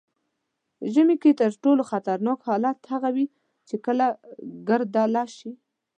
ژمي کې تر ټولو خطرناک حالت هغه وي چې کله ګردله شي.